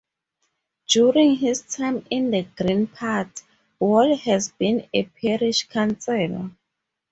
During his time in the Green Party, Wall has been a Parish Councillor.